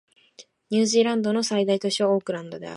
ニュージーランドの最大都市はオークランドである